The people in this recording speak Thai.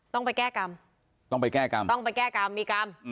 ต้องไปแก้กรรมต้องไปแก้กรรมมีกรรม